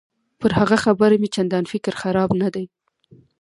پر هغه خبره مې چندان فکر خراب نه دی.